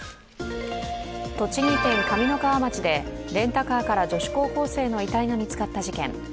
栃木県上三川町でレンタカーから女子高校生の遺体が見つかった事件。